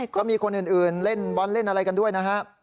ก็มีคนอื่นเล่นบอลเล่นอะไรกันด้วยนะฮะ